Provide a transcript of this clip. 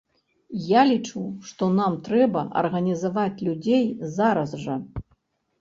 Я лічу, што нам трэба арганізаваць людзей зараз жа.